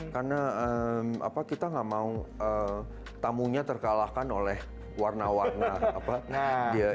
karena kita nggak mau tamunya terkalahkan oleh warna warna interior